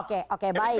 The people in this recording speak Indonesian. oke oke baik baik